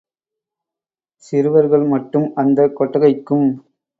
சிறுவர்கள் மட்டும், அந்த கொட்டகைக்கும்.